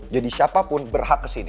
jadi siapapun berhak kesini